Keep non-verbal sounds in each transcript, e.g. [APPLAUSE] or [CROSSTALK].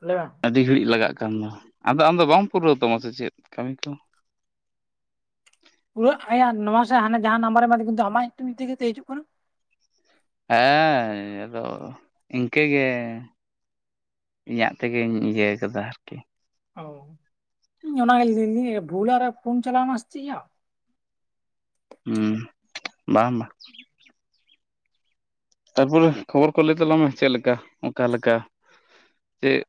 ᱞᱟᱹᱭ ᱢᱮ ᱟᱹᱰᱤ ᱜᱷᱟᱹᱲᱤᱡ ᱞᱟᱜᱟᱜ ᱠᱟᱱ ᱢᱟ ᱟᱫᱚ ᱟᱢ ᱫᱚ ᱵᱟᱢ ᱯᱩᱨᱟᱹᱣ ᱛᱟᱢᱟ ᱥᱮ ᱪᱮᱫ ᱠᱟᱹᱢᱤᱨᱮ ᱠᱚ ᱯᱩᱨᱟᱹᱜ ᱟᱭᱟᱜ ᱱᱚᱣᱟ ᱥᱮ ᱦᱟᱱᱮ ᱡᱟᱦᱟᱸ ᱱᱟᱢᱵᱟᱨ ᱮᱢᱟᱫᱤᱧ ᱠᱤᱱᱛᱩ ᱟᱢᱟᱜ ᱧᱩᱛᱩᱢ ᱛᱮᱜᱮ ᱛᱚ ᱦᱤᱡᱩᱜ ᱠᱟᱱᱟ᱾ ᱦᱮᱸ ᱟᱫᱚ ᱤᱱᱠᱟᱹ ᱜᱮ᱾ ᱤᱧᱟᱹᱜ ᱛᱮᱜᱮᱧ ᱤᱭᱟᱹ ᱠᱟᱫᱟ ᱟᱨᱠᱤ ᱚ ᱤᱧ ᱚᱱᱟᱜᱮ ᱞᱟᱹᱭ ᱵᱷᱩᱞᱟᱨᱮ ᱯᱷᱳᱱ ᱪᱟᱞᱟᱣᱱᱟ ᱥᱮ ᱪᱮᱫᱭᱟ ᱦᱩᱸ ᱵᱟᱝ ᱵᱟᱝ ᱛᱟᱨᱯᱚᱨᱮ ᱠᱷᱚᱵᱚᱨ ᱠᱚ ᱞᱟᱹᱭ ᱛᱟᱞᱟᱝ ᱢᱮ ᱪᱮᱫ ᱞᱮᱠᱟ? ᱚᱠᱟ ᱞᱮᱠᱟ? ᱪᱮᱫ,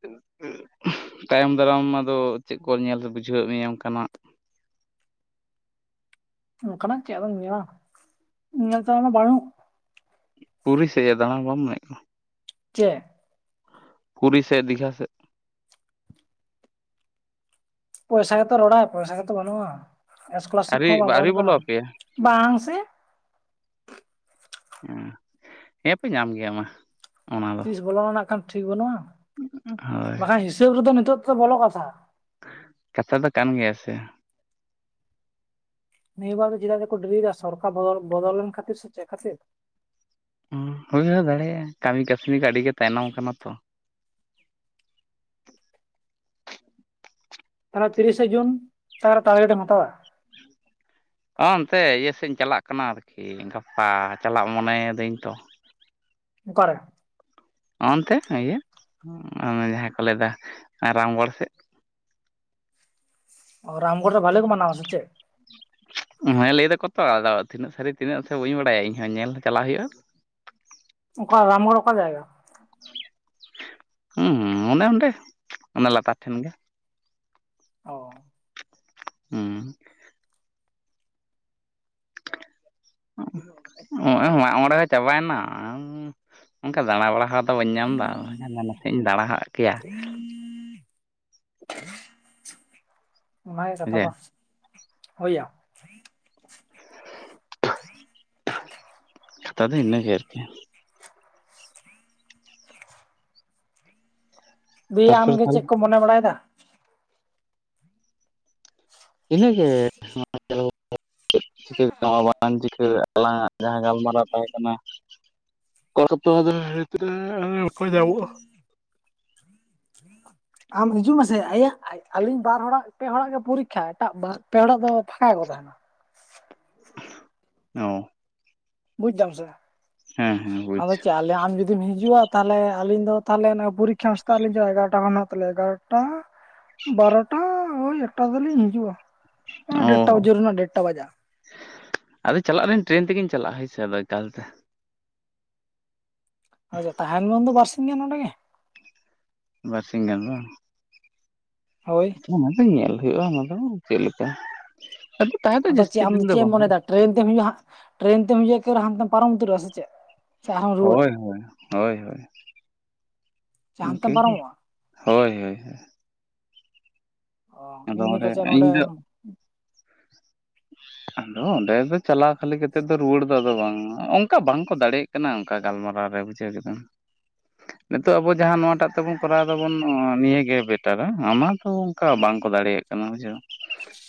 ᱛᱟᱭᱚᱢ ᱫᱟᱨᱟᱢ ᱟᱫᱚ ᱪᱮᱫ ᱠᱚ ᱧᱮᱞ ᱵᱩᱡᱷᱟᱹᱣᱮᱫ ᱢᱮᱭᱟ ᱚᱝᱠᱟᱱᱟᱜ᱾ ᱚᱱᱠᱟᱱᱟᱜ ᱪᱮᱫ ᱟᱫᱚᱢ ᱧᱮᱞᱟ ᱧᱮᱞ ᱛᱮᱱᱟᱜ ᱢᱟ ᱵᱟᱹᱱᱩᱜ᱾ ᱯᱩᱨᱤ ᱥᱮ ᱫᱟᱬᱟᱱ ᱵᱟᱢ ᱮᱢᱮᱫ ᱠᱟᱱᱟ᱾ ᱪᱮᱜ ᱯᱩᱨᱤ ᱥᱮ ᱫᱤᱜᱷᱟ ᱥᱮ ᱯᱚᱭᱥᱟ ᱜᱮᱛᱚ ᱨᱚᱲᱟ ᱯᱚᱭᱥᱟ ᱜᱮᱛᱚ ᱵᱟᱹᱱᱩᱜ-ᱟ ᱮᱥᱠᱚᱞᱟᱨᱥᱤᱯ ᱟᱹᱣᱨᱤ ᱠᱚᱦᱚᱸ ᱵᱟᱝ ᱟᱹᱣᱨᱤ ᱵᱚᱞᱚᱱ ᱵᱚᱞᱚ ᱠᱟᱱᱟ ᱟᱯᱮᱭᱟ ᱵᱟᱝ ᱥᱮ᱾ ᱦᱮᱸ ᱯᱮ ᱧᱟᱢ ᱜᱮᱭᱟ ᱢᱟ ᱚᱱᱟ ᱫᱚ ᱛᱤᱥ ᱵᱚᱞᱚ ᱱᱟᱜᱠᱷᱟᱱ ᱴᱷᱤᱠ ᱵᱟᱹᱱᱩᱜ-ᱟ ᱦᱳᱭ ᱵᱟᱠᱷᱟᱱ ᱦᱤᱥᱟᱹᱵ ᱨᱮᱫᱚ ᱱᱤᱛᱚᱜ ᱛᱚ ᱵᱚᱞᱚᱜ ᱠᱟᱛᱷᱟ ᱠᱟᱛᱷᱟ ᱫᱚ ᱠᱟᱱ ᱜᱮᱭᱟ ᱥᱮ᱾ ᱱᱤᱭᱟᱹ ᱵᱟᱨ ᱫᱚ ᱪᱮᱫᱟᱜ ᱡᱮ ᱠᱚ ᱰᱮᱨᱤ ᱫᱟ ᱥᱚᱨᱠᱟᱨ ᱵᱚᱫᱚᱞ ᱞᱮᱱ ᱠᱷᱟᱹᱛᱤᱨ ᱥᱮ ᱪᱮᱫ ᱠᱷᱟᱹᱛᱤᱨ᱾ ᱦᱩᱭ ᱦᱚᱸ ᱫᱟᱲᱮᱭᱟᱜᱼᱟ ᱾ ᱠᱟᱹᱢᱤ ᱠᱟᱹᱥᱱᱤ ᱠᱚ ᱟᱹᱰᱤ ᱜᱮ ᱛᱟᱭᱱᱚᱢ ᱠᱟᱱᱟ ᱛᱚ᱾ ᱛᱟᱞᱦᱮ ᱛᱤᱨᱤᱥᱟ ᱡᱩᱱ ᱚᱠᱟ ᱨᱮ ᱴᱟᱨᱜᱮᱴ ᱮᱢ ᱦᱟᱛᱟᱣᱟ? ᱚ ᱚᱱᱛᱮ ᱤᱭᱟᱹ ᱥᱮᱫ ᱤᱧ ᱪᱟᱞᱟᱜ ᱠᱟᱱᱟ ᱟᱨ ᱠᱤ, ᱜᱟᱯᱟ ᱪᱟᱞᱟᱜ ᱢᱚᱱᱮᱭ ᱫᱟᱹᱧ ᱛᱚ᱾ ᱚᱠᱟ ᱨᱮ? ᱚᱱᱛᱮ ᱤᱭᱟᱹ, ᱡᱟᱦᱟᱸ ᱠᱚ ᱞᱟᱹᱭ ᱫᱟ ᱨᱟᱢᱜᱚᱲ ᱥᱮᱫ᱾ ᱚ, ᱨᱟᱢᱜᱚᱲ ᱨᱮ ᱵᱷᱟᱞᱮ ᱠᱚ ᱢᱟᱱᱟᱣᱟ ᱥᱮ ᱪᱮᱫ? ᱦᱮᱸ ᱞᱟᱹᱭ ᱫᱟᱠᱚ ᱛᱚ, ᱟᱫᱚ ᱛᱤᱱᱟᱹᱜ ᱥᱟᱨᱤ ᱛᱤᱱᱟᱹᱜ-ᱟ ᱥᱮ ᱵᱟᱹᱧ ᱵᱟᱲᱟᱭᱟ ᱤᱧ ᱦᱚᱸ, ᱧᱮᱞ ᱪᱟᱞᱟᱣ ᱦᱳᱭᱳᱜᱼᱟ᱾ ᱚᱠᱟ ᱨᱟᱢᱜᱚᱲ ᱠᱚ ᱚᱠᱟ ᱡᱟᱭᱜᱟ? ᱦᱩᱸ ᱚᱱᱮ ᱚᱸᱰᱮ, ᱚᱱᱮ ᱞᱟᱛᱟᱨ ᱴᱷᱮᱱ ᱜᱮ᱾ ᱚ ᱦᱩᱸ ᱱᱚᱜ ᱚᱭ ᱢᱟᱜ ᱢᱚᱬᱮ ᱦᱚᱸ ᱪᱟᱵᱟᱭᱮᱱᱟ᱾ ᱚᱱᱠᱟ ᱫᱟᱬᱟ ᱵᱟᱲᱟ ᱦᱚᱸ ᱫᱚ ᱵᱟᱹᱧ ᱧᱟᱢ ᱮᱫᱟ᱾ ᱱᱟᱥᱮ ᱤᱧ ᱫᱟᱬᱟ ᱟᱫ ᱠᱮᱭᱟ᱾ ᱵᱷᱟᱜᱮ ᱠᱟᱛᱷᱟ ᱡᱮ ᱫᱚ, ᱦᱳᱭᱭᱟ᱾ ᱠᱟᱛᱷᱟ ᱫᱚ ᱤᱱᱟᱹ ᱜᱮ ᱟᱨ ᱠᱤ᱾ ᱫᱤᱭᱮ ᱛᱟᱨᱯᱚᱨᱮ ᱟᱢᱜᱮ ᱛᱟᱦᱚᱞᱮ ᱪᱮᱠ ᱠᱚ ᱢᱚᱱᱮ ᱵᱟᱲᱟᱭ ᱮᱫᱟ᱾ ᱤᱱᱟᱹ ᱜᱮ ᱟᱫᱚ ᱪᱮᱫ ᱪᱤᱠᱟᱹᱟᱢ ᱵᱟᱝ ᱪᱤᱠᱟᱹ ᱟᱞᱟᱝᱟᱜ, [INAUDIBLE] ᱡᱟᱦᱟᱸ ᱜᱟᱞᱢᱟᱨᱟᱣ ᱛᱟᱦᱮᱸ ᱠᱟᱱᱟ᱾ [UNINTELLIGIBLE] ᱠᱚ ᱧᱟᱢᱚᱜᱼᱟ᱾ ᱟᱢ ᱦᱤᱡᱩᱜ ᱢᱮᱥᱮ ᱟᱭᱟᱜ ᱟᱹᱞᱤᱧ ᱵᱟᱨ ᱦᱚᱲᱟᱜ ᱯᱮ ᱦᱚᱲᱟᱜ ᱜᱮ ᱯᱚᱨᱤᱠᱠᱷᱟ᱾ ᱮᱴᱟ ᱯᱮ ᱦᱚᱲᱟᱜ ᱫᱚ ᱯᱷᱟᱸᱠᱟ ᱜᱮᱠᱚ ᱛᱟᱦᱮᱱᱟ᱾ ᱚ ᱵᱩᱡᱽ ᱫᱟᱢ ᱥᱮ ᱵᱟ, ᱦᱮᱸ ᱦᱮᱸ ᱵᱩᱡᱽ ᱟᱫᱚ ᱪᱟᱣᱞᱮ ᱟᱢ ᱡᱩᱫᱤ ᱡᱩᱫᱤᱢ ᱦᱤᱡᱩᱜᱼᱟ ᱛᱟᱦᱞᱮ ᱟᱹᱞᱤᱧ ᱫᱚ ᱛᱟᱦᱞᱮ ᱚᱱᱟ ᱯᱚᱨᱤᱠᱠᱷᱟ ᱮᱢ ᱥᱮᱛᱟᱜ ᱨᱮ ᱞᱤᱧ ᱪᱟᱞᱟᱜ-ᱟ᱾ ᱮᱜᱟᱨᱚᱴᱟ ᱠᱷᱚᱱ ᱦᱮᱱᱟᱜ ᱛᱟᱞᱭᱟ ᱮᱜᱟᱨᱚᱴᱟ᱾ ᱟᱴᱟ [INAUDIBLE] ᱵᱟᱨᱚᱴᱟ ᱳᱭ ᱮᱠᱴᱟ ᱛᱮ ᱫᱚ ᱞᱤᱧ ᱦᱤᱡᱩᱜᱼᱟ᱾ ᱦᱮᱸ ᱚ ᱰᱮᱴᱴᱟ, ᱡᱳᱨ ᱨᱮᱱᱟᱜ ᱰᱮᱴᱴᱟ ᱵᱟᱡᱟᱜ-ᱟ᱾ ᱟᱫᱚ ᱪᱟᱞᱟᱜ-ᱟᱞᱤᱧ ᱴᱨᱮᱱ ᱛᱮᱜᱤᱧ ᱪᱟᱞᱟᱜᱼᱟ᱾ ᱦᱳᱭ ᱥᱮ ᱟᱫᱚ ᱮᱠᱟᱞᱛᱮ᱾ ᱟᱪᱪᱷᱟ, ᱛᱟᱦᱮᱱ ᱢᱮ ᱩᱱ ᱫᱚ ᱵᱟᱨᱥᱤᱧ ᱜᱟᱱ ᱚᱸᱰᱮ ᱜᱮ᱾ ᱵᱟᱨ ᱥᱤᱧ ᱜᱟᱱ ᱵᱟᱝ᱾ ᱦᱳᱭ ᱚᱱᱟ ᱫᱚ ᱧᱮᱞ ᱦᱳᱭᱳᱜᱼᱟ ᱾ ᱚᱱᱟ ᱫᱚ ᱪᱮᱫ ᱞᱮᱠᱟ, ᱟᱫᱚ ᱛᱟᱦᱮᱸ ᱫᱚ ᱡᱟᱹᱥᱛᱤ ᱪᱮᱫ ᱟᱢ ᱫᱤᱱ ᱫᱚ ᱪᱮᱫ ᱮᱢ ᱵᱟᱝ ᱢᱚᱱᱮᱭᱮᱫᱟ ᱦᱳᱭᱳᱜᱼᱟ᱾ ᱴᱨᱮᱱ ᱛᱮᱢ ᱦᱤᱡᱩᱜᱼᱟ ᱦᱟᱸᱜ, ᱴᱨᱮᱱ ᱛᱮᱢ ᱦᱤᱡᱩᱜᱼᱟ ᱮᱠᱮ ᱦᱟᱱᱛᱮᱢ ᱯᱟᱨᱚᱢ ᱩᱛᱟᱹᱨᱚᱜᱼᱟ ᱥᱮ ᱪᱮᱫ? ᱥᱮ ᱟᱨᱦᱚᱢ ᱨᱩᱣᱟᱹᱲᱟ ᱦᱳᱭ ᱦᱳᱭ, ᱦᱳᱭ ᱦᱳᱭ, ᱥᱮ ᱤᱱᱠᱟᱹ ᱦᱟᱱᱛᱮᱢ ᱜᱮ᱾ ᱯᱟᱨᱚᱢᱚᱜᱼᱟ ᱦᱳᱭ ᱦᱳᱭ ᱦᱳᱭ ᱚ ᱟᱫᱚ ᱤᱧ ᱫᱚ ᱚᱸᱰᱮ ᱯᱟᱪᱮᱫ ᱤᱧ ᱫᱚ᱾ ᱱᱚᱰᱮ ᱟᱫᱚ ᱚᱸᱰᱮ ᱫᱚ ᱪᱟᱞᱟᱣ ᱠᱷᱟᱹᱞᱤ ᱠᱟᱛᱮ ᱫᱚ ᱨᱩᱣᱟᱹᱲ ᱫᱚ ᱟᱫᱚ ᱵᱟᱝ᱾ ᱚᱝᱠᱟ ᱵᱟᱝ ᱠᱚ ᱫᱟᱲᱮᱭᱟᱜ ᱠᱟᱱᱟ᱾ ᱚᱝᱠᱟ ᱜᱟᱞᱢᱟᱨᱟᱣ ᱨᱮ ᱵᱩᱡᱷᱟᱹᱣ ᱠᱮᱫᱟᱢ᱾ ᱱᱤᱛᱚᱜ ᱟᱵᱚ ᱡᱟᱦᱟᱸ ᱱᱚᱣᱟᱴᱟᱜ ᱛᱮᱵᱚᱱ ᱠᱚᱨᱟᱣ ᱫᱟᱵᱚᱱ ᱱᱤᱭᱟᱹᱜᱮ ᱵᱮᱴᱟᱨᱟ᱾ ᱚᱱᱟ ᱫᱚ ᱚᱱᱠᱟ ᱵᱟᱝ ᱠᱚ ᱫᱟᱲᱮᱭᱟᱜ ᱵᱩᱡᱷᱟᱹᱣ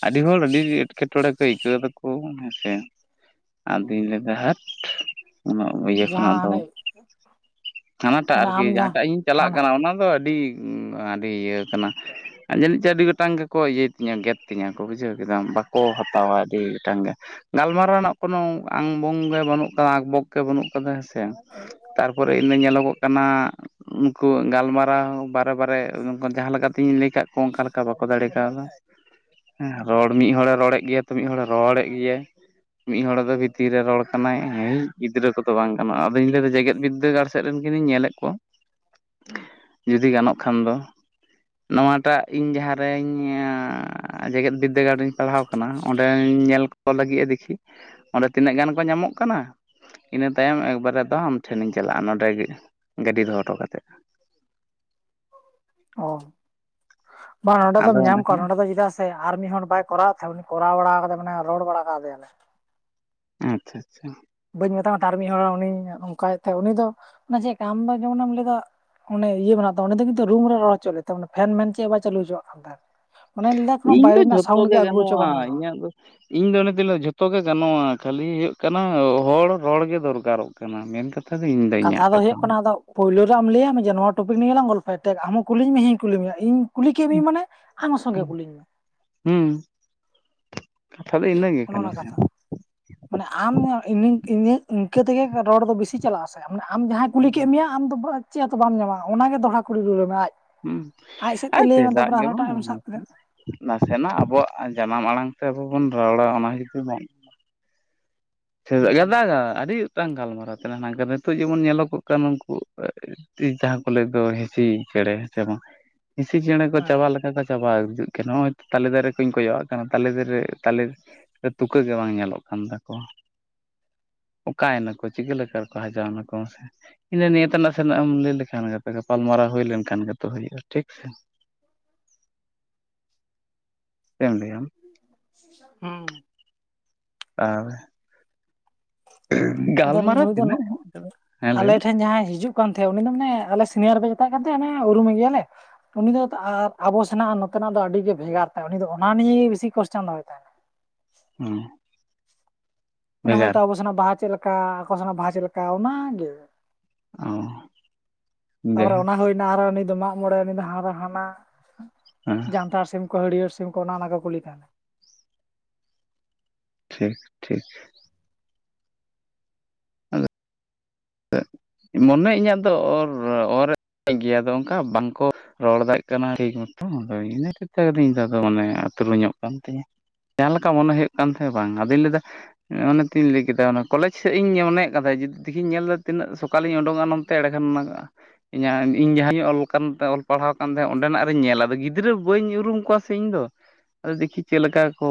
ᱟᱹᱰᱤ ᱦᱚᱲ ᱟᱹᱰᱤ ᱮᱸᱴᱠᱮᱴᱚᱸᱬᱮ ᱠᱚ ᱟᱹᱭᱠᱟᱹᱣ ᱫᱟᱠᱚ ᱦᱮᱸᱥᱮ ᱟᱹᱫᱚᱧ ᱞᱟᱹᱭ ᱫᱟ ᱦᱟᱴ ᱤᱭᱟᱹ ᱠᱷᱚᱱᱟᱜ ᱫᱚ ᱡᱟᱦᱟᱸ ᱦᱟᱱᱮ ᱦᱟᱱᱟᱴᱟᱜ ᱦᱟᱱᱮ ᱟᱨᱠᱤ ᱟᱢ ᱡᱟᱦᱟᱸ ᱡᱟᱦᱟᱸᱴᱟᱜ ᱤᱧ ᱪᱟᱞᱟᱜ ᱦᱟᱱᱟ ᱠᱟᱱᱟ ᱚᱱᱟ ᱫᱚ ᱟᱹᱰᱤ ᱩᱸ ᱟᱹᱰᱤ ᱤᱭᱟᱹ ᱠᱟᱱᱟ᱾ ᱟᱨ ᱡᱟᱹᱱᱤᱡ ᱪᱚᱝ ᱟᱹᱰᱤ ᱜᱚᱴᱟᱝ ᱜᱮᱠᱚ ᱤᱭᱟᱹᱭ ᱛᱤᱧᱟᱹ, ᱜᱮᱫ ᱛᱤᱧᱟᱹ ᱠᱚ᱾ ᱵᱩᱡᱷᱟᱹᱣ ᱠᱮᱫᱟᱢ ᱵᱟᱠᱚ ᱦᱟᱛᱟᱣᱟ ᱟᱹᱰᱤ ᱜᱚᱴᱟᱝ ᱜᱮ᱾ ᱜᱟᱞᱢᱟᱨᱟᱣ ᱨᱮᱱᱟᱜ ᱠᱳᱱᱳ ᱟᱝ ᱵᱚᱝ ᱜᱮ ᱵᱟᱹᱱᱩᱜ ᱠᱟᱫᱟ᱾ ᱟᱸᱠ ᱵᱚᱠ ᱜᱮ ᱵᱟᱹᱱᱩᱜ ᱠᱟᱫᱟ ᱦᱮᱸ ᱥᱮ᱾ ᱛᱟᱨᱯᱚᱨᱮ ᱤᱱᱟᱹ ᱧᱮᱞᱚᱜᱚᱜ ᱠᱟᱱᱟ᱾ ᱩᱱᱠᱩ ᱜᱟᱞᱢᱟᱨᱟᱣ ᱵᱟᱨᱮ ᱵᱟᱨᱮ ᱡᱟᱦᱟᱸ ᱞᱮᱠᱟᱛᱤᱧ ᱞᱟᱹᱭ ᱟᱠᱟᱫ ᱠᱚᱣᱟ᱾ ᱚᱱᱠᱟ ᱞᱮᱠᱟ ᱵᱟᱠᱚ ᱫᱟᱲᱮ ᱠᱟᱣᱫᱟ᱾ ᱦᱮᱸ, ᱨᱚᱲ ᱢᱤᱫ ᱦᱚᱲᱮ ᱨᱚᱲᱮᱫ ᱜᱮᱭᱟ ᱛᱚ, ᱢᱤᱫ ᱦᱚᱲᱮ ᱨᱚᱲᱮᱫ ᱜᱮᱭᱟᱭ᱾ ᱢᱤᱫ ᱦᱚᱲ ᱫᱚ ᱵᱷᱤᱛᱤᱨ ᱨᱮ ᱨᱚᱲ ᱠᱟᱱᱟᱭ᱾ ᱮᱭ ᱜᱤᱫᱽᱨᱟᱹ ᱠᱚᱫᱚ ᱵᱟᱝ ᱜᱟᱱᱚᱜᱼᱟ᱾ ᱟᱫᱚᱧ ᱞᱟᱹᱭᱫᱟ ᱡᱮᱜᱮᱫ ᱵᱤᱫᱽᱫᱟᱹᱜᱟᱲ᱾ ᱥᱮᱫ ᱨᱮᱱ ᱠᱤᱱᱤᱧ ᱧᱮᱞᱮᱫ ᱠᱚᱣᱟ ᱡᱩᱫᱤ ᱜᱟᱱᱚᱜ ᱠᱷᱟᱱ ᱫᱚ᱾ ᱱᱚᱣᱟᱴᱟᱜ ᱤᱧ ᱡᱟᱦᱟᱸ ᱨᱮᱧᱻ ᱡᱮᱜᱮᱫ ᱵᱽᱫᱟᱹᱜᱟᱲ ᱨᱤᱧ ᱯᱟᱲᱦᱟᱣ ᱠᱟᱱᱟ ᱚᱸᱰᱮᱧ ᱧᱮᱞ ᱠᱚ ᱞᱟᱹᱜᱤᱫᱼᱟ ᱫᱮᱠᱷᱤ᱾ ᱚᱸᱰᱮ ᱛᱤᱱᱟᱹᱜ ᱜᱟᱱ ᱠᱚ ᱧᱟᱢᱚᱜ ᱠᱟᱱᱟ᱾ ᱤᱱᱟᱹ ᱛᱟᱭᱚᱢ ᱮᱠᱵᱟᱨᱮ ᱟᱫᱚ ᱟᱢ ᱴᱷᱮᱱᱤᱧ ᱪᱟᱞᱟᱜᱼᱟ ᱱᱚᱸᱰᱮ ᱜᱮ ᱜᱟᱹᱰᱤ ᱫᱚᱦᱚ ᱦᱚᱴᱚ ᱠᱟᱛᱮᱫ ᱚ, ᱵᱟᱝ ᱱᱚᱸᱰᱮᱫᱚᱢ ᱟᱫᱚ ᱧᱟᱢ ᱚᱸᱰᱮ ᱠᱚᱣᱟ ᱠᱷᱚᱱᱟᱜ ᱱᱚᱸᱰᱮ ᱫᱚ ᱪᱮᱫᱟᱜ ᱥᱮ ᱟᱨ ᱢᱤᱫ ᱦᱚᱲ ᱵᱟᱭ ᱠᱚᱨᱟᱣᱮᱫ ᱛᱟᱦᱮᱸ ᱩᱱᱤ ᱠᱚᱨᱟᱣ ᱵᱟᱲᱟ ᱠᱟᱫᱟᱭ ᱢᱟᱱᱮ ᱨᱚᱲ ᱵᱟᱲᱟᱠᱟᱣ ᱫᱮᱭᱟᱞᱮ ᱟᱪᱪᱷᱟ ᱟᱪᱪᱷᱟ ᱵᱟᱹᱧ ᱢᱮᱛᱟ ᱢᱮ ᱛᱟᱸᱦᱮᱫ ᱟᱨ ᱢᱤᱫ ᱦᱚᱲ ᱩᱱᱤ ᱚᱝᱠᱟᱭ ᱮᱫ ᱛᱟᱸᱦᱮᱫ ᱩᱱᱤ ᱫᱚ ᱚᱱᱟ ᱪᱮᱫ ᱞᱮᱠᱟ ᱟᱢ ᱫᱚ ᱡᱮᱢᱚᱱ ᱮᱢ ᱞᱟᱹᱭ ᱮᱫᱟ ᱚᱱᱮ ᱤᱭᱟᱹ ᱢᱮᱱᱟᱜ ᱛᱟᱢᱟ ᱩᱱᱤ ᱫᱚ ᱠᱤᱱᱛᱩ ᱨᱩᱢ ᱨᱮ ᱨᱚᱲ ᱦᱚᱪ ᱞᱮ ᱛᱟᱸᱦᱮᱫ ᱯᱷᱮᱱ ᱢᱮᱱ ᱪᱮᱫ ᱵᱟᱭ ᱪᱟᱹᱞᱩ ᱦᱚᱪᱚᱣᱟᱜ ᱠᱟᱱ ᱛᱟᱸᱦᱮᱫ ᱚᱱᱟᱧ ᱞᱟᱹᱭᱫᱟ ᱠᱚᱱᱚ ᱵᱟᱭᱨᱮ ᱨᱮᱱᱟᱜ ᱥᱟᱣᱩᱱᱰ ᱜᱮ ᱟᱹᱜᱩ ᱦᱚᱪᱚ ᱵᱟᱝ ᱜᱟᱱᱚᱜᱼᱟ ᱟᱫᱚ ᱤᱧ ᱫᱚ ᱚᱱᱮ ᱛᱚᱧ ᱞᱟᱹᱭ ᱮᱫᱟ ᱡᱷᱚᱛᱚ ᱜᱮ ᱜᱟᱱᱚᱜᱼᱟ ᱠᱷᱟᱹᱞᱤ ᱦᱩᱭᱩᱜ ᱠᱟᱱᱟ ᱦᱚᱲ ᱨᱚᱲ ᱜᱮ ᱫᱚᱨᱠᱟᱨᱼᱚᱜ ᱠᱟᱱᱟ ᱢᱮᱱ ᱠᱟᱛᱮ ᱠᱟᱛᱷᱟ ᱫᱚ ᱤᱧᱫᱚ ᱤᱧᱟᱹᱜ ᱫᱚ ᱠᱟᱛᱷᱟ ᱦᱩᱭᱩᱜ ᱠᱟᱱᱟ ᱟᱫᱚ ᱯᱳᱭᱞᱳ ᱨᱮ ᱟᱢ ᱞᱟᱹᱭᱼᱟᱭ ᱢᱮ ᱡᱮ ᱱᱚᱣᱟ ᱴᱚᱯᱤᱠ ᱱᱤᱭᱮ ᱞᱟᱝ ᱜᱚᱞᱯᱷᱚ ᱟ ᱟᱢ ᱦᱚᱸ ᱠᱩᱞᱤᱧ ᱢᱮ ᱤᱧ ᱦᱚᱸᱧ ᱠᱩᱞᱤ ᱢᱮᱭᱟ ᱤᱧ ᱠᱩᱞᱤ ᱠᱮᱜ ᱢᱤᱭᱟᱹᱧ ᱢᱟᱱᱮ ᱟᱢ ᱦᱚᱸ ᱥᱚᱸᱜᱮ ᱩᱞᱤᱧ ᱢᱮ ᱦᱩᱸ ᱠᱟᱛᱷᱟ ᱫᱚ ᱤᱱᱟᱹ ᱜᱮ ᱚᱱᱮ ᱠᱟᱱᱟ ᱚᱱᱟ ᱥᱮ ᱠᱟᱛᱷᱟ ᱢᱟᱱᱮ ᱟᱢ ᱤᱱᱟᱹ ᱤᱧᱟᱹᱝ ᱤᱱᱠᱟᱹ ᱛᱮᱜᱮ ᱨᱚᱲ ᱫᱚ ᱵᱮᱥᱤᱜ ᱪᱟᱞᱟᱜᱼᱟ ᱥᱮ ᱢᱟᱱᱮ ᱟᱢ ᱡᱟᱦᱟᱸᱭ ᱠᱩᱞᱤ ᱠᱮᱜ ᱢᱮᱭᱟ ᱟᱢ ᱫᱚ ᱪᱮᱫ ᱦᱚᱸᱛᱚ ᱵᱟᱢ ᱧᱟᱢᱟ ᱚᱱᱟᱜᱮ ᱫᱚᱦᱲᱟ ᱠᱩᱲᱤ ᱨᱩᱣᱟᱹᱲ ᱮᱢᱮ ᱟᱡ ᱦᱩᱸ ᱟᱡ ᱥᱮᱫ ᱛᱮ ᱟᱨ ᱞᱟᱹᱭ ᱟᱢᱟ ᱪᱮᱫᱟᱜ ᱛᱟᱯᱚᱨᱮ ᱜᱮ ᱟᱨᱦᱚᱸ ᱵᱟᱝ ᱮᱴᱟᱜᱼᱟᱜ ᱮᱢ ᱥᱟᱵ ᱠᱮᱫᱟ ᱱᱟᱥᱮᱱᱟᱜ ᱟᱵᱚᱣᱟᱜ ᱡᱟᱱᱟᱢ ᱟᱲᱟᱝ ᱛᱮ ᱟᱵᱚ ᱵᱚᱱ ᱨᱚᱲᱟ ᱚᱱᱟ ᱜᱮᱛᱚ ᱦᱟᱸᱜ ᱥᱮ ᱦᱩᱸ ᱜᱟᱫᱟᱜᱟ ᱟᱹᱰᱤ ᱜᱚᱴᱟᱝ ᱜᱟᱞᱢᱟᱨᱟᱣ ᱛᱟᱦᱮᱱᱟ ᱱᱤᱛᱚᱜ ᱡᱮᱢᱚᱱ ᱧᱮᱞᱚᱜᱚᱜ ᱠᱟᱱᱟ ᱩᱱᱝᱠᱩ ᱡᱟᱦᱟᱸ ᱠᱚ ᱞᱟᱹᱭ ᱫᱚ ᱦᱤᱸᱥᱤ ᱪᱮᱬᱮᱸ ᱥᱮ ᱵᱟᱝ ᱦᱤᱸᱥᱤ ᱪᱮᱬᱮ ᱠᱚ ᱦᱮᱸ ᱪᱟᱵᱟ ᱞᱮᱠᱟ ᱠᱚ ᱪᱟᱵᱟ ᱦᱤᱡᱩᱜ ᱠᱟᱱᱟ ᱱᱚᱜ-ᱚᱭ ᱛᱚ ᱛᱟᱞᱮ ᱫᱟᱨᱮ ᱠᱚᱧ ᱠᱚᱭᱚᱜᱼᱟᱜ ᱠᱟᱱᱟ ᱛᱟᱞᱮ ᱫᱟᱨᱮ ᱛᱟᱞᱮ ᱥᱮ ᱛᱩᱠᱟᱹ ᱜᱮ ᱵᱟᱝ ᱧᱮᱞᱚᱜ ᱠᱟᱱ ᱛᱟᱠᱚᱣᱟ ᱚᱠᱟᱭ ᱮᱱᱟᱠᱚ ᱪᱤᱠᱟᱹ ᱞᱮᱠᱟ ᱨᱮᱠᱚ ᱦᱟᱡᱟᱣ ᱱᱟᱠᱚ ᱢᱟᱥᱮ ᱤᱱᱟᱹ ᱱᱤᱭᱟᱹ ᱛᱮᱱᱟᱜ ᱥᱮᱱᱚᱜ ᱮᱢ ᱞᱟᱹᱭ ᱞᱮᱠᱷᱟᱱ ᱜᱮ ᱜᱟᱯᱟᱞᱢᱟᱨᱟᱣ ᱦᱩᱭ ᱞᱮᱱᱠᱷᱟᱱ ᱜᱮᱛᱚ ᱦᱩᱭᱩᱜᱼᱟ ᱴᱷᱤᱠ ᱥᱮ ᱪᱮᱫ ᱮᱢ ᱞᱟᱹᱭᱼᱟ ᱟᱢ ᱦᱩᱸ ᱟᱨ ᱟᱫᱚ ᱜᱟᱞᱢᱟᱨᱟᱣ ᱱᱩᱭ ᱫᱚ ᱛᱤᱱᱟᱹᱜ ᱦᱮᱱᱟᱜ ᱟᱠᱟᱫᱟ ᱦᱮᱸ ᱞᱟᱹᱭ ᱟᱞᱮ ᱢᱮ ᱴᱷᱮᱱ ᱡᱟᱦᱟᱸᱭ ᱦᱤᱡᱩᱜ ᱠᱟᱱ ᱛᱟᱦᱮᱸ ᱩᱱᱤ ᱫᱚ ᱢᱟᱱᱮ ᱟᱞᱮ ᱥᱤᱱᱤᱭᱟᱨ ᱜᱮ ᱢᱮᱛᱟᱭ ᱠᱟᱱ ᱛᱟᱦᱮᱸᱱ ᱚᱱᱟ ᱩᱨᱩᱢ ᱮᱜᱮᱭᱟᱞᱮ ᱩᱱᱤ ᱫᱚ ᱟᱵᱚ ᱥᱮᱱᱟᱜ ᱱᱚᱛᱮᱱᱼᱟᱜ ᱫᱚ ᱟᱹᱰᱤ ᱜᱮ ᱵᱷᱮᱜᱟᱨ ᱛᱟᱭ ᱩᱱᱤ ᱫᱚ ᱚᱱᱟ ᱱᱤᱭᱮ ᱵᱤᱥᱤ ᱠᱚᱥᱪᱟᱱ ᱫᱚᱦᱚᱭ ᱛᱟᱦᱮᱱ ᱦᱩᱸ ᱚᱱᱟ ᱦᱚᱭᱛᱳ ᱟᱵᱚ ᱥᱮᱱᱟᱜ ᱵᱟᱦᱟ ᱪᱮᱫ ᱞᱮᱠᱟ ᱟᱠᱚ ᱥᱮᱱᱟᱜ ᱵᱟᱦᱟ ᱪᱮᱫ ᱞᱮᱠᱟ ᱚᱱᱟ ᱜᱮ ᱚ ᱛᱟᱯᱚᱨᱮ ᱡᱟᱭᱦᱳᱠ ᱚᱱᱟ ᱦᱩᱭᱱᱟ ᱟᱨᱚ ᱱᱩᱭ ᱫᱚ ᱦᱮᱸ ᱡᱟᱱᱛᱷᱟᱲ ᱥᱤᱢ ᱠᱚ ᱦᱟᱹᱲᱭᱟᱹᱨ ᱥᱤᱢ ᱠᱚ ᱚᱱᱮ ᱚᱱᱟ ᱠᱚ ᱠᱩᱞᱤ ᱛᱟᱦᱮᱱᱟ ᱴᱷᱤᱠ ᱴᱷᱤᱠ ᱟᱫᱚ ᱢᱚᱱᱮ ᱤᱧᱟᱹᱜ ᱫᱚ ᱚᱨ ᱚᱨᱮᱫ ᱜᱮᱭᱟ ᱟᱫᱚ ᱚᱱᱠᱟ ᱵᱟᱝ ᱠᱚ ᱨᱚᱲ ᱫᱟᱲᱮᱜ ᱠᱟᱱᱟᱭ ᱴᱷᱤᱠ ᱢᱚᱛᱚ ᱟᱫᱚ ᱤᱱᱟᱹ ᱠᱟᱛᱮ ᱟᱹᱰᱤ ᱫᱚ ᱢᱚᱱᱮ ᱩᱛᱨᱩᱧᱼᱚᱜ ᱠᱟᱱ ᱛᱤᱧᱟᱹ ᱡᱟᱦᱟᱸ ᱞᱮᱠᱟ ᱢᱚᱱᱮ ᱦᱩᱭᱩᱜ ᱠᱟᱱ ᱛᱟᱦᱮᱸ ᱵᱟᱝ ᱟᱫᱚᱧ ᱞᱟᱹᱭᱫᱟ ᱚᱱᱮ ᱛᱮᱧ ᱞᱟᱹᱭ ᱠᱮᱫᱟ ᱚᱱᱟ ᱠᱚᱞᱮᱡᱽ ᱥᱮᱫ ᱤᱧ ᱢᱚᱱᱮᱭᱮᱫ ᱠᱟ ᱛᱟᱦᱮᱫ ᱡᱩ ᱛᱤᱦᱤᱧ ᱧᱮᱞ ᱫᱟ ᱚᱠᱟᱞᱤᱧ ᱩᱰᱩᱝ ᱚᱜᱼᱟ ᱱᱚᱛᱮ ᱮᱲᱮ ᱠᱷᱟᱱ ᱤᱧᱟᱹᱜ ᱤᱧ ᱡᱟᱦᱟᱸ ᱨᱮᱧ ᱚᱞ ᱠᱟᱱ ᱛᱮ ᱚᱞ ᱯᱟᱲᱦᱟᱣ ᱟᱠᱟᱱ ᱛᱟᱦᱮᱸᱫ ᱚᱸᱰᱮᱱᱼᱟᱜ ᱨᱤᱧ ᱧᱮᱞ ᱟ ᱟᱫᱚ ᱜᱤᱫᱽᱨᱟᱹ ᱵᱟᱹᱧ ᱩᱨᱩᱢ ᱠᱚᱣᱟ ᱥᱮ ᱤᱧ ᱫᱚ ᱟᱫᱚ ᱫᱮᱠᱷᱤ ᱪᱮᱫ ᱞᱮᱠᱟ ᱠᱚ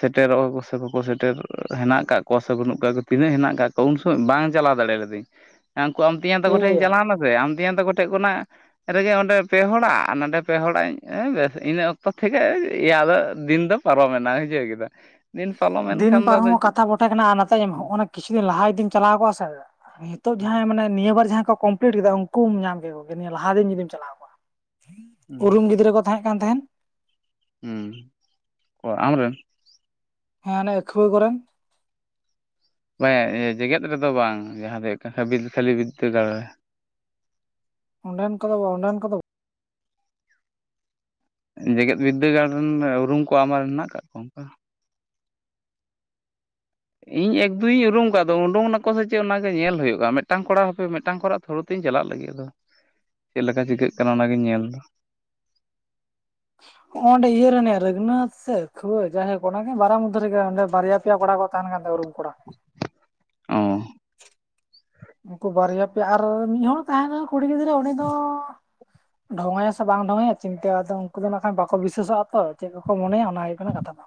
ᱥᱮᱴᱮᱨᱚᱜᱼᱟ ᱠᱚ ᱥᱮ ᱵᱟᱠᱚ ᱥᱮᱴᱮᱨ ᱦᱮᱱᱟᱜ ᱠᱟᱜ ᱠᱚᱣᱟ ᱥᱮ ᱵᱟᱹᱱᱩᱜ ᱠᱟᱜ ᱠᱚᱣᱟ ᱛᱤᱱᱟᱹᱜ ᱦᱮᱱᱟᱜ ᱠᱟᱜ ᱠᱚᱣᱟ ᱩᱱ ᱥᱚᱢᱚᱭ ᱵᱟᱝ ᱪᱟᱞᱟᱣ ᱫᱟᱲᱮ ᱞᱟᱹᱫᱟᱹᱧ ᱦᱟᱱᱠᱩ ᱟᱢ ᱛᱮᱧᱟᱝ ᱛᱟᱠᱚ ᱴᱷᱮᱱᱤᱧ ᱮᱭᱟ ᱪᱟᱞᱟᱣ ᱱᱟ ᱥᱮ ᱟᱢ ᱛᱮᱧᱟᱝ ᱛᱟᱠᱚ ᱴᱷᱮᱡ ᱠᱷᱚᱱᱟᱜ ᱨᱮᱜᱮ ᱚᱸᱰᱮ ᱯᱮ ᱦᱚᱲᱼᱟᱜ ᱱᱚᱰᱮ ᱯᱮ ᱦᱚᱲᱼᱟᱜ ᱵᱮᱥ ᱤᱱᱟᱹ ᱚᱠᱛᱚ ᱛᱷᱮᱠᱮ ᱮᱭ ᱟᱫᱚ ᱫᱤᱱ ᱫᱚ ᱯᱟᱨᱚᱢᱮᱱᱟ ᱵᱩᱡᱷᱟᱹᱣ ᱠᱮᱫᱟ ᱫᱤᱱ ᱯᱚᱞᱚᱢᱮᱱ ᱠᱷᱟᱱ ᱫᱚ ᱟᱫᱚ ᱪᱮᱫ ᱡᱷᱚᱛᱚ ᱠᱷᱚᱱᱟᱜ ᱞᱟᱦᱟ ᱛᱟᱭᱚᱢ ᱦᱚᱸᱜ-ᱚᱱᱟ ᱠᱤᱪᱷᱩ ᱫᱤᱱ ᱞᱟᱦᱟ ᱡᱩᱫᱤᱢ ᱪᱟᱞᱟᱣ ᱠᱚᱜ-ᱟ ᱥᱮ ᱦᱤᱛᱚᱜ ᱡᱟᱦᱟᱸᱭ ᱢᱟᱱᱮ ᱱᱤᱭᱟᱹ ᱵᱟᱨ ᱡᱟᱦᱟᱸᱭ ᱠᱚᱢᱯᱞᱤᱴ ᱠᱮᱫᱟ ᱧᱟᱢ ᱠᱮᱠᱚ ᱠᱮᱭᱟ ᱱᱤᱭᱟᱹ ᱞᱟᱦᱟ ᱫᱤᱱ ᱡᱩᱫᱤᱢ ᱪᱟᱞᱟᱣ ᱠᱚᱜᱼᱟ ᱩᱨᱩᱢ ᱜᱤᱫᱽᱨᱟᱹ ᱠᱚ ᱛᱟᱦᱮᱸᱜ ᱠᱟᱱ ᱛᱟᱦᱮᱸᱱ ᱩᱸ ᱚ ᱟᱢ ᱨᱮᱱ ᱟᱹᱠᱷᱣᱟᱹ ᱠᱚᱨᱮᱱ ᱤᱭᱟᱹ ᱡᱮᱜᱮᱫ ᱨᱮᱫᱚ ᱵᱟᱝ ᱡᱟᱦᱟᱸ ᱫᱚ ᱦᱩᱭᱩᱜ ᱠᱟᱱᱟ ᱦᱟᱵᱤᱞ ᱠᱷᱟᱹᱞᱤ ᱵᱤᱫᱽᱫᱟᱹᱜᱟᱲ ᱨᱮ ᱚᱸᱰᱮᱱ ᱠᱚᱫᱚ ᱵᱚ ᱚᱸᱰᱮᱱ ᱠᱚᱫᱚ ᱡᱮᱜᱮᱫ ᱵᱤᱫᱽᱫᱟᱹᱜᱟᱲ ᱨᱮᱱ ᱩᱨᱩᱢ ᱠᱚᱣᱟᱢ ᱟᱢ ᱨᱮᱱ ᱢᱮᱱᱟᱜ ᱟᱠᱟ ᱠᱚᱣᱟ ᱚᱱᱠᱟ ᱮᱠ ᱫᱩᱭᱤᱧ ᱩᱨᱩᱢ ᱠᱚᱣᱟ ᱟᱫᱚ ᱩᱰᱩᱝ ᱱᱟᱠᱚ ᱥᱮ ᱪᱮᱫ ᱚᱱᱟᱜᱮ ᱧᱮᱞ ᱦᱩᱭᱩᱜᱼᱟ ᱢᱤᱫᱴᱟᱝ ᱠᱚᱲᱟ ᱦᱟᱯᱮ ᱢᱤᱫᱴᱟᱝ ᱠᱚᱲᱟ ᱛᱷᱩᱲᱩ ᱛᱤᱧ ᱪᱟᱞᱟᱜ ᱞᱟᱹᱜᱤᱫ ᱟᱫᱚ ᱪᱮᱫ ᱞᱮᱠᱟ ᱪᱤᱠᱟᱹᱜ ᱠᱟᱱᱟ ᱚᱱᱟᱜᱤᱧ ᱧᱮᱞ ᱫᱟ ᱤᱭᱟᱹ ᱨᱮᱱ ᱨᱟᱹᱱᱟᱛᱷ ᱥᱮ ᱠᱷᱳᱭ ᱡᱟᱦᱟ ᱠᱚ ᱚᱱᱟᱜᱮ ᱵᱟᱨᱟ ᱢᱩᱫᱽᱫᱷᱚ ᱨᱮᱜᱮ ᱚᱸᱰᱮ ᱵᱟᱨᱭᱟ ᱯᱮᱭᱟ ᱠᱚᱲᱟ ᱠᱚ ᱛᱟᱦᱮᱱ ᱠᱟᱱ ᱛᱟᱦᱮ ᱨᱩᱢ ᱠᱚᱲᱟ ᱚᱸ ᱩᱱᱠᱩ ᱵᱟᱨᱭᱟ ᱯᱮᱭᱟ ᱟᱨ ᱢᱤᱫ ᱦᱚᱲ ᱛᱟᱦᱮᱱ ᱨᱮᱦᱚ ᱠᱩᱲᱤ ᱜᱤᱫᱽᱨᱟᱹ ᱩᱱᱤ ᱫᱚ ᱰᱷᱚᱝ ᱟᱭᱟ ᱥᱮ ᱵᱟᱝ ᱰᱷᱚᱝ ᱟᱭᱟ ᱪᱤᱱᱛᱟᱹ ᱟᱫᱚ ᱩᱱᱠᱩ ᱫᱚ ᱱᱟᱠᱷᱟ ᱵᱟᱠᱚ ᱵᱤᱥᱟᱹᱥᱚᱜᱼᱟ ᱛᱚ ᱪᱮᱫ ᱠᱚ ᱠᱚ ᱢᱚᱱᱮᱭᱟ ᱚᱱᱟ ᱦᱩᱭᱩᱜ ᱠᱟᱱᱟ ᱠᱟᱛᱷᱟ ᱫᱚ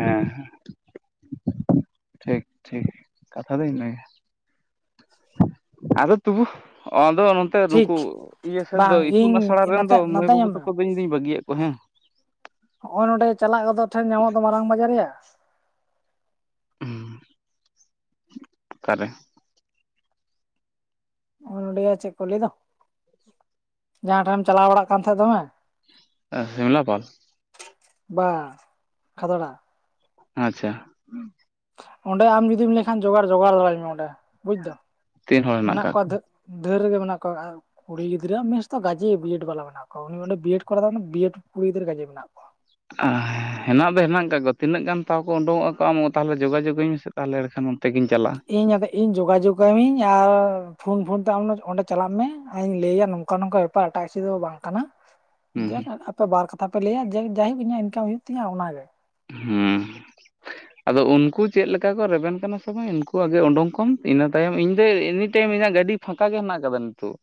ᱮᱸᱦᱮᱸ [INAUDIBLE] ᱴᱷᱤᱠ ᱴᱷᱤᱠ ᱠᱟᱛᱷᱟ ᱫᱚ ᱤᱱᱟᱹ ᱜᱮ ᱟᱫᱚ ᱛᱩᱵᱩ ᱟᱫᱚ ᱱᱩᱠᱩ ᱴᱷᱤᱠ ᱤᱭᱟᱹ ᱥᱮᱫ ᱫᱚ ᱵᱟᱝ ᱤᱛᱩᱱ ᱤᱧ ᱟᱥᱲᱟ ᱨᱮᱱ ᱫᱚ ᱱᱚᱛᱮ ᱢᱟᱹᱭ ᱱᱚᱛᱮ ᱧᱮᱞ ᱵᱟᱹᱵᱩ ᱢᱮ ᱛᱟᱠᱚ ᱫᱚᱧ ᱵᱟᱹᱜᱤᱭᱟᱜ ᱠᱚᱣᱟ ᱦᱮᱸ ᱱᱚᱸᱰᱮ ᱪᱟᱞᱟᱜ ᱜᱚᱫᱚᱜ ᱴᱷᱮᱱ ᱧᱟᱢᱚᱜ ᱫᱚ ᱢᱟᱨᱟᱝ ᱵᱟᱡᱟᱨ ᱭᱟ ᱩᱸᱦ ᱟᱠᱟ ᱨᱮ? ᱦᱚᱜᱽᱼᱚᱭ ᱱᱚᱰᱮᱭᱟ ᱪᱮᱫ ᱠᱚ ᱞᱟᱹᱭ ᱫᱚ ᱡᱟᱦᱟᱸ ᱴᱷᱮᱢ ᱪᱟᱞᱟᱣ ᱵᱟᱲᱟᱜ ᱠᱟᱱ ᱛᱟᱦᱮᱸᱫ ᱫᱚᱢᱮ ᱥᱤᱢᱞᱟᱯᱟᱞ ᱵᱟ ᱠᱷᱟᱫᱟᱲᱟ ᱟᱪᱷᱟ ᱚᱸᱰᱮ ᱟᱢ ᱡᱩᱫᱤᱢ ᱞᱟᱹᱭ ᱠᱷᱟᱱ ᱡᱚᱜᱟᱲ ᱡᱚᱜᱟᱲ ᱫᱟᱲᱮ [UNINTELLIGIBLE] ᱚᱸᱰᱮ ᱵᱩᱡ ᱫᱟᱢ ᱛᱤᱱ ᱦᱚᱲ ᱦᱮᱱᱟᱜ ᱢᱮᱱᱟᱜ ᱠᱟᱜ ᱠᱚᱣᱟ ᱫᱟᱹᱜ ᱫᱷᱟᱹᱨ ᱨᱮᱜᱮ ᱢᱮᱱᱟᱜ ᱠᱚᱣᱟ ᱟᱨ ᱠᱩᱲᱤ ᱜᱤᱫᱽᱨᱟᱹ ᱢᱮᱥ ᱛᱚ ᱜᱟᱡᱮ ᱵᱤᱭᱮᱰ ᱵᱟᱞᱟ ᱢᱮᱱᱟᱜ ᱠᱚᱣᱟ ᱩᱱᱤ ᱚᱰᱮ ᱵᱤᱭᱮᱰ ᱠᱚᱨᱟᱣᱫᱟ ᱢᱟᱱᱮ ᱵᱤᱭᱮᱰ ᱠᱩᱲᱤ ᱜᱤᱫᱽᱨᱟᱹ ᱜᱟᱡᱮ ᱢᱮᱱᱟᱜ ᱠᱚᱣᱟ ᱟᱸ ᱦᱮᱸ ᱦᱮᱱᱟᱜ ᱫᱚ ᱦᱮᱱᱟᱜ ᱟᱠᱟᱫ ᱠᱚᱣᱟ ᱛᱤᱱᱟᱹᱜ ᱜᱟᱱ ᱛᱟᱣ ᱠᱚ ᱩᱰᱩᱣᱚᱜᱼᱟ ᱠᱚ ᱟᱢᱚ ᱛᱟᱦᱞᱮ ᱡᱳᱜᱟᱡᱳᱜᱽ ᱤᱧ ᱢᱮᱥᱮ ᱛᱟᱦᱞᱮ ᱮᱲᱮ ᱠᱷᱟᱱ ᱵᱚᱱ ᱤᱧ ᱟᱫᱮ ᱤᱧ ᱡᱳᱜᱟᱡᱳᱜᱽ ᱟᱢᱤᱧ ᱟᱨ ᱯᱷᱳᱱ ᱯᱷᱳᱱ ᱛᱮ ᱟᱢ ᱚᱸᱰᱮ ᱪᱟᱞᱟᱜ ᱢᱮ ᱟᱨ ᱤᱧ ᱞᱟᱹᱭᱟ ᱱᱚᱝᱠᱟ ᱱᱚᱝᱠᱟ ᱯᱟᱦᱴᱟ ᱤᱥᱤ ᱫᱚ ᱵᱟᱝ ᱠᱟᱱᱟ [INAUDIBLE] ᱟᱯᱮ ᱵᱟᱨ ᱠᱟᱛᱷᱟ ᱯᱮ ᱞᱟᱹᱭᱟ ᱡᱮ ᱡᱟᱭ ᱦᱳᱠ ᱤᱧᱟᱹᱜ ᱤᱱᱠᱟᱢ ᱦᱩᱭᱩᱜ ᱛᱤᱧᱟᱹ ᱚᱱᱟᱜᱮ ᱦᱩᱸ ᱟᱫᱚ ᱩᱱᱠᱩ ᱪᱮᱫ ᱞᱮᱠᱟ ᱠᱚ ᱨᱮᱵᱮᱱ ᱠᱟᱱᱟ ᱥᱮ ᱵᱟᱝ? ᱩᱱᱠᱩ ᱣᱟᱜ ᱜᱮ ᱩᱰᱩᱝ ᱠᱚᱢ ᱤᱱᱟᱹ ᱛᱟᱭᱚᱢ ᱤᱧ [UNINTELLIGIBLE] ᱟᱹᱰᱤ ᱯᱷᱟᱸᱠᱟ ᱜᱮ ᱦᱮᱱᱟᱜ ᱟᱠᱟᱫᱟ ᱱᱤᱛᱚᱜ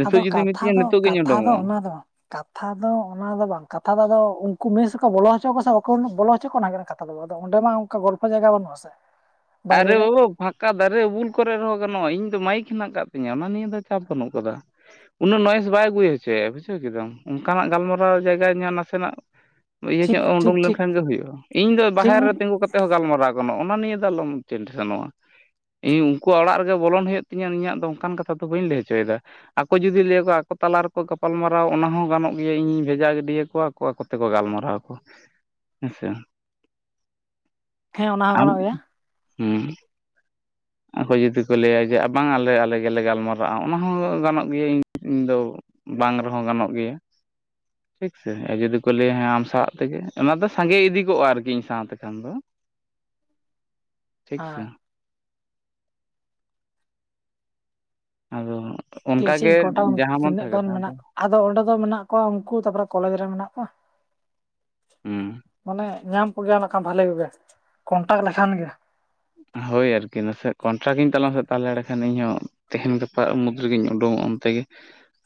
ᱱᱤᱛᱚᱜ ᱟᱫᱚ ᱡᱩᱫᱤ ᱠᱟᱛᱷᱟ ᱢᱤᱛᱟᱹᱧᱟ ᱫᱚ ᱱᱤᱛᱚᱜ ᱜᱤᱧ ᱠᱟᱛᱷᱟ ᱫᱚ ᱩᱰᱩᱝᱚᱜᱼᱟ ᱚᱱᱟ ᱫᱚ ᱵᱟᱝ ᱠᱟᱛᱷᱟ ᱫᱚ ᱚᱱᱟ ᱫᱚ ᱵᱟᱝ ᱠᱟᱛᱷᱟ ᱫᱚ ᱟᱫᱚ ᱩᱱᱠᱩ ᱢᱮᱥ ᱨᱮᱠᱚ ᱵᱚᱞᱚ ᱦᱚᱪᱚ ᱟᱠᱚᱣᱟ ᱥᱮ ᱵᱟᱠᱚ ᱵᱚᱞᱚ ᱦᱚᱪᱚ ᱚᱱᱟ ᱦᱩᱭᱩᱜ ᱠᱟᱱᱟ ᱠᱟᱛᱷ ᱟᱫᱚ ᱟᱫᱚ ᱚᱸᱰᱮ ᱢᱟ ᱚᱱᱠᱟ ᱜᱚᱞᱯᱚ ᱡᱟᱭᱜᱟ ᱵᱟᱹᱱᱩᱜᱼᱟ ᱥᱮ ᱟᱨᱮ [UNINTELLIGIBLE] ᱯᱷᱟᱸᱠᱟ ᱫᱟᱨᱮ ᱩᱩᱞ ᱠᱚᱨᱮ ᱨᱮᱦᱚᱸ ᱜᱟᱱᱚᱜᱼᱟ, ᱤᱧ ᱫᱚ ᱢᱟᱭᱤᱠ ᱦᱮᱱᱟᱜ ᱟᱠᱟᱫ ᱛᱤᱧᱟᱹ ᱚᱱᱟ ᱱᱤᱭᱟᱹ ᱫᱚ ᱪᱟᱯ ᱵᱟᱹᱱᱩᱜ ᱠᱟᱫᱟ᱾ ᱩᱱᱟᱹᱜ ᱱᱚᱚᱭᱮᱥ ᱵᱟᱭ ᱟᱹᱜᱩᱭ ᱦᱚᱪᱚᱭᱮᱭᱟ, ᱵᱩᱡᱷᱟᱹᱣ ᱠᱮᱫᱟᱢ ᱚᱱᱠᱟᱱᱟᱜ ᱜᱟᱞᱢᱟᱨᱟᱣ ᱡᱟᱭᱜᱟ ᱧᱮ ᱱᱟᱥᱮᱱᱟᱜ ᱤᱭᱟᱹ ᱴᱷᱤᱠ ᱧᱚᱜ ᱮ ᱴᱷᱤᱠ ᱩᱰᱩᱝ ᱴᱷᱤᱠ ᱞᱮᱱᱠᱷᱟᱱᱜ ᱜᱮ ᱦᱩᱭᱩᱜᱼᱟ, ᱤᱧ ᱫᱚ ᱴᱷᱤᱠ ᱵᱟᱦᱮᱨ ᱨᱮ ᱛᱤᱜᱩ ᱠᱟᱛᱮᱜ ᱦᱚᱸ ᱜᱟᱞᱢᱟᱨᱟᱣ ᱜᱟᱱᱚᱜᱼᱟ ᱚᱱᱟ ᱱᱤᱭᱮ ᱫᱚ ᱟᱞᱚᱢ [UNINTELLIGIBLE] ᱤᱧ ᱩᱱᱠᱩᱣᱟᱜ ᱚᱲᱟᱜ ᱨᱮᱜᱮ ᱵᱚᱞᱚᱱ ᱦᱩᱭᱩᱜ ᱛᱤᱧᱟᱹ ᱤᱧᱟᱹᱜ ᱫᱚ ᱚᱱᱠᱟᱱ ᱠᱟᱛᱷᱟ ᱫᱚ ᱵᱟᱹᱧ ᱞᱟᱹᱭ ᱪᱚᱭᱫᱟ ᱟᱠᱚ ᱡᱩᱫᱤ ᱞᱟᱹᱭ ᱟᱠᱚᱣᱟ ᱟᱠᱚ ᱛᱟᱞᱟ ᱨᱮᱠᱚ ᱜᱟᱯᱟᱞᱢᱟᱨᱟᱣ ᱚᱱᱟ ᱦᱚᱸ ᱜᱟᱱᱚᱜ ᱜᱮᱭᱟ ᱤᱧ ᱵᱷᱮᱡᱟ ᱜᱤᱰᱤᱭᱟᱠᱚᱣᱟ ᱟᱠᱚ ᱟᱠᱚ ᱛᱮᱠᱚ ᱜᱟᱞᱢᱟᱨᱟᱣ ᱦᱮᱸ ᱥᱮ ᱦᱮᱸ ᱚᱱᱟ ᱦᱚᱸ ᱟᱢ ᱜᱟᱱᱚᱜ ᱜᱮᱭᱟ ᱩᱸ ᱡᱩᱫᱤ ᱠᱚ ᱞᱟᱹᱭᱟ ᱡᱮ ᱵᱟᱝ ᱟᱞᱮ ᱟᱞᱮ ᱜᱮᱞᱮ ᱜᱟᱞᱢᱟᱨᱟᱜᱼᱟ ᱚᱱᱟ ᱦᱚᱸ ᱜᱟᱱᱚᱜ ᱜᱮᱭᱟ ᱤᱧ ᱤᱧ ᱫᱚ ᱵᱟᱝ ᱨᱮᱦᱚᱸ ᱜᱟᱱᱚᱜ ᱜᱮᱭᱟ ᱟᱨ ᱡᱩᱫᱤ ᱠᱚ ᱞᱟᱹᱭᱟ ᱦᱮᱸ ᱟᱢ ᱥᱟᱜ ᱛᱮᱜᱮ ᱚᱱᱟ ᱫᱚ ᱥᱟᱸᱜᱮ ᱤᱫᱤ ᱠᱚᱜᱼᱟ ᱟᱨᱠᱤ ᱤᱧ ᱥᱟᱶᱛᱮ ᱠᱷᱟᱱ ᱫᱚ ᱴᱷᱤᱠ ᱥᱮ ᱦᱮᱸ ᱟᱫᱚ ᱛᱤᱠ ᱚᱱᱠᱟᱜᱮ ᱪᱷᱤᱧ ᱠᱚᱱᱴᱟᱝ ᱟᱢ ᱡᱟᱦᱟᱸ ᱢᱚᱱ ᱛᱤᱱᱟᱹᱜ ᱛᱟᱦᱟᱸ ᱜᱟᱱ ᱠᱟᱛᱷᱟ ᱢᱮᱱᱟᱜ ᱟᱫᱚ ᱚᱸᱰᱮ ᱫᱚ ᱢᱮᱱᱟᱜ ᱠᱚᱣᱟ ᱩᱱᱠᱩ ᱛᱟᱯᱚᱨᱮ ᱠᱚᱞᱮᱡᱽ ᱨᱮ ᱢᱮᱱᱟᱜ ᱠᱚᱣᱟ ᱦᱮᱸ ᱢᱟᱱᱮ ᱧᱟᱢ ᱠᱚᱜᱮᱭᱟ ᱱᱟᱠᱷᱟ ᱵᱷᱟᱞᱮ ᱠᱚᱜᱮ ᱠᱚᱱᱴᱟᱠ ᱞᱮᱠᱷᱟᱱ ᱜᱮ ᱦᱳᱭ ᱟᱨᱠᱤ ᱱᱟᱥᱮ ᱠᱚᱱᱴᱨᱟᱠᱴᱧᱟᱞᱟ ᱱᱟᱥᱮ ᱛᱟᱦᱚᱞᱮ ᱮᱸᱰᱮ ᱠᱷᱟᱱ ᱤᱧᱦᱚᱸ ᱛᱟᱦᱮᱣ ᱜᱟᱯᱟ ᱢᱩᱫᱽ ᱨᱮᱜᱤᱧ ᱩᱰᱩᱠᱚᱜᱼᱟ ᱚᱱᱛᱮ ᱜᱮ᱾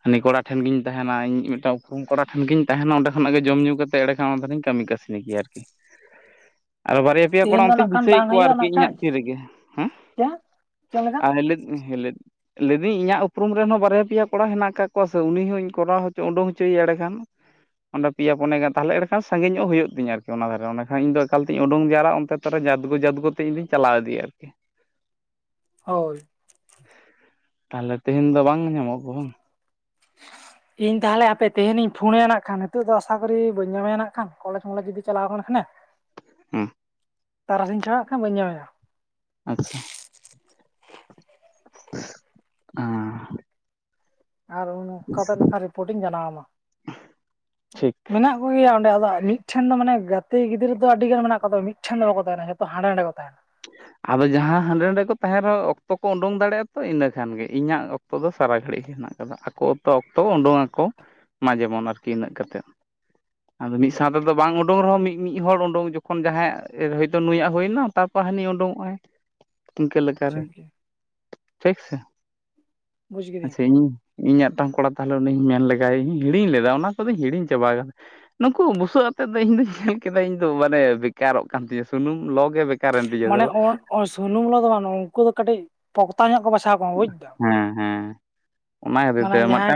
ᱦᱟᱱᱤ ᱠᱚᱲᱟ ᱴᱷᱮᱱ ᱜᱤᱧ ᱛᱟᱦᱮᱱᱟ, ᱤᱧ ᱢᱤᱫᱴᱟᱝ ᱩᱯᱨᱢ ᱠᱚᱲᱟ ᱴᱷᱮᱱ ᱜᱤᱧ ᱛᱟᱦᱮᱱᱟ, ᱚᱸᱰᱮᱚᱱᱟᱜ ᱜᱮ ᱡᱚᱢᱧ ᱧᱩ ᱠᱟᱛᱮ ᱮᱲᱮ ᱠᱷᱟᱱ ᱚᱱᱟᱤᱧ ᱠᱟᱹᱢᱤ ᱠᱟᱹ [UNINTELLIGIBLE] ᱟᱨᱠᱤ ᱟᱨᱚ ᱵᱟᱨᱭᱟ ᱯᱮᱭᱟ ᱠᱚᱲᱟ ᱛᱮᱦᱮᱧ ᱫᱚ ᱱᱟᱜ ᱚᱱᱛᱮᱧ ᱠᱷᱟᱱ ᱫᱤᱥᱟᱹᱭᱮᱫ ᱵᱟᱝ ᱠᱚᱣᱟ ᱟᱨ ᱦᱩᱭᱩᱜᱼᱟ ᱱᱟᱜ ᱠᱷᱟᱱ ᱤᱧᱟᱹᱜ ᱛᱤ ᱨᱮᱜᱮ ᱦᱮᱸ ᱪᱮᱫ ᱪᱮᱫ ᱞᱮᱠᱟ ᱟᱨ ᱞᱤ ᱞᱤ ᱞᱟᱹᱭᱫᱟᱹᱧ ᱤᱧᱟᱹᱜ ᱩᱯᱨᱩᱢ ᱨᱮᱱ ᱦᱚᱸ ᱵᱟᱨᱭᱟ ᱯᱮᱭᱟ ᱠᱚᱲᱟ ᱦᱮᱱᱟᱜ ᱟᱠᱟᱫ ᱠᱚᱣᱟ ᱥᱮ ᱩᱱᱤ ᱦᱚᱸᱧ ᱠᱚᱨᱟᱣ ᱦᱚᱪᱚ ᱩᱰᱩ ᱦᱚᱪᱚᱭᱮᱭᱟ ᱮᱸᱲᱮ ᱠᱷᱟᱱ᱾ ᱚᱸ ᱯᱮᱭᱟ ᱯᱚᱱᱭᱟ ᱛᱟᱦᱮ ᱮᱱᱠᱷᱟᱱ ᱥᱟᱸᱜᱤᱧ ᱧᱚᱜ ᱦᱩᱭᱩᱜ ᱛᱤᱧᱟ ᱟᱨᱠᱤ ᱚᱱᱟ ᱫᱷᱟᱨᱮᱸᱰᱮᱠᱷᱟᱱᱧ ᱫᱚ ᱮᱠᱟᱞ ᱛᱮᱧ ᱩᱰᱩᱝ ᱡᱟᱣᱨᱟᱜᱼᱟ, ᱛᱮ ᱛᱟᱦᱚᱞᱮ ᱡᱟᱫᱽᱜᱚ ᱡᱟᱫᱽᱜᱚ ᱛᱮ ᱤᱧᱫᱩᱧ ᱪᱟᱞᱟᱣ ᱤᱫᱤᱭᱟ ᱟᱨᱠᱤ᱾ ᱦᱳᱭ᱾ ᱛᱟᱦᱚᱞᱮ ᱛᱮᱦᱮᱧ ᱫᱚ ᱵᱟᱝ ᱧᱟᱢᱚᱜᱼᱟ ᱜᱩᱦᱩᱢ᱾ [INAUDIBLE] ᱤᱧ ᱛᱟᱦᱚᱞᱮ ᱟᱯᱮ ᱛᱮᱦᱮᱧᱤᱧ ᱯᱷᱳᱱᱟᱭᱟ ᱱᱟᱜ ᱠᱷᱟᱱ ᱱᱤᱛᱚᱜ ᱫᱚ ᱟᱥᱟ ᱠᱚᱨᱤ ᱵᱟᱹᱧ ᱧᱟᱢᱮ ᱱᱟᱜ ᱠᱷᱟᱱ ᱠᱚᱞᱮᱡᱽ ᱢᱚᱞᱮᱡᱽ ᱡᱩᱫᱤ ᱪᱟᱞᱟᱣ ᱟᱠᱟᱱᱟ ᱠᱷᱟᱱᱮ᱾ ᱩᱸ, ᱛᱟᱨᱟᱥᱤᱧ ᱪᱷᱟᱲᱟᱜ ᱠᱷᱟᱱ ᱵᱟᱹᱧ ᱧᱟᱢᱮᱭᱟ᱾ ᱟᱪᱪᱷᱟ᱾ ᱚᱸ᱾ ᱟᱨ ᱩᱱᱠᱟ ᱠᱟᱛᱮ ᱱᱚᱠᱷᱟᱱ ᱨᱤᱯᱳᱨᱴ ᱤᱧ ᱡᱟᱱᱟᱣ ᱟᱢᱟ, ᱴᱷᱤᱠ ᱢᱮᱱᱟᱜ ᱚᱸᱰᱮ ᱟᱫᱚ ᱢᱤᱫᱴᱷᱮᱱ ᱫᱚ ᱢᱟᱱᱮ ᱜᱟᱛᱮ ᱜᱤᱫᱨᱟᱹ ᱫᱚ ᱟᱹᱰᱤ ᱜᱟᱱ ᱢᱮᱱᱟᱜ ᱟᱫᱚ ᱢᱤᱫᱴᱷᱮᱱ ᱫᱚ ᱵᱟᱠᱚ ᱛᱟᱦᱮᱱᱟ ᱡᱷᱚᱛᱚ ᱦᱟᱸᱰᱮ ᱱᱟᱟᱸᱰᱮ ᱠᱚ ᱛᱟᱸᱦᱮᱱᱟ᱾ [INAUDIBLE] ᱟᱫᱚ ᱡᱟᱦᱟᱸ ᱦᱟᱸᱰᱮ ᱱᱟᱰᱮ ᱠᱚ ᱛᱟᱦᱮᱱ ᱨᱮᱦᱚᱸ ᱚᱠᱛᱚ ᱠᱚ ᱩᱰᱩᱝ ᱫᱟᱲᱮᱭᱟᱜᱼᱟ ᱛᱚ ᱤᱱᱟᱹ ᱠᱷᱟᱱ ᱜᱮ ᱤᱧᱟᱹᱜ ᱚᱠᱛᱚ ᱫᱚ ᱥᱟᱨᱟ ᱜᱷᱟᱹᱲᱤᱡ ᱜᱮ ᱦᱮᱱᱟᱜ ᱟᱠᱟᱫᱟ᱾ ᱠᱚ ᱛᱚ ᱚᱠᱛᱚ ᱩᱰᱩᱝ ᱟᱠᱚ ᱢᱟ ᱡᱮᱢᱚᱱ ᱟᱨᱠᱤ ᱤᱱᱟᱹᱜ ᱠᱟᱛᱮᱫ᱾ ᱟᱫᱚ ᱢᱤᱫ ᱦᱩᱸ ᱥᱟᱶ ᱛᱮᱫᱚ ᱵᱟᱝ ᱩᱰᱩᱝ ᱨᱮᱦᱚᱸ ᱢᱤ-ᱢᱤᱫ ᱦᱚᱲ ᱩᱰᱩᱝ ᱡᱚᱠᱷᱚᱱ ᱡᱟᱦᱟᱸᱭᱭᱟᱜ ᱦᱳᱭᱛᱳ ᱱᱩᱭᱟᱜ ᱦᱩᱭᱱᱟ, ᱛᱟᱯᱚᱨ ᱦᱟᱱᱤ ᱩᱰᱝᱚᱜᱼᱟᱭ ᱤᱱᱠᱟᱹ ᱞᱮᱠᱟᱨᱮ ᱴᱷᱤᱠ ᱜᱮᱭᱟ ᱴᱷᱤᱠ ᱥᱮ? ᱵᱩᱡᱽ ᱠᱤᱫᱟᱹᱧ ᱟᱪᱪᱷᱟ ᱤᱧ ᱤᱧᱟᱹᱜᱴᱟᱝ ᱠᱚᱲᱟ ᱛᱟᱦᱚᱞᱮ ᱩᱱᱤᱧ ᱢᱮᱱ ᱞᱮᱜᱟᱭ ᱤᱧ ᱦᱤᱲᱤᱧ ᱞᱮᱫᱟ ᱚᱱᱟ ᱠᱚᱫᱚᱧ ᱦᱤᱧ ᱪᱟᱵᱟ ᱠᱟᱫᱟ ᱱᱩᱠᱩ ᱵᱩᱥᱟᱹᱜ ᱟᱛᱮᱫ ᱫᱚ ᱤᱧ ᱫᱧ ᱧᱮᱞ ᱠᱮᱫᱟ ᱤᱧ ᱫᱚ ᱢᱟᱱᱮ ᱵᱮᱠᱟᱨᱚᱜ ᱠᱟᱱ ᱛᱤᱧᱟᱹ, ᱥᱩᱱᱩᱢ ᱞᱚᱜᱮ ᱵᱮ ᱢᱟᱱᱮ ᱥᱩᱱᱩᱢ ᱫᱚ ᱵᱟᱝ ᱩᱱᱠᱩ ᱫᱚ ᱠᱟᱹᱴᱤᱡ ᱯᱚᱠᱛᱟ ᱧᱚᱜ ᱠᱚ ᱵᱟᱪᱷᱟᱣ ᱦᱮᱸ ᱦᱮᱸ ᱚᱱᱟ [UNINTELLIGIBLE] ᱠᱷᱟᱹᱛᱤᱨ ᱢᱟᱱᱮ ᱛᱮ ᱢᱤᱫᱴᱟᱝ ᱡᱟᱷᱟᱣ ᱜᱮ